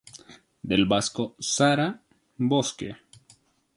Del vasco "zara-" ‘bosque’.